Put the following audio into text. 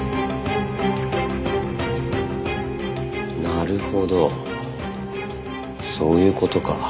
なるほどそういう事か。